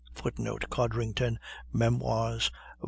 [Footnote: Codrington ("Memoirs," i.